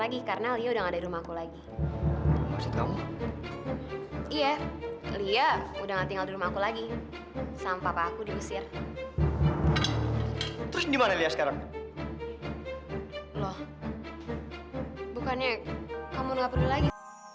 bukannya kamu gak perlu lagi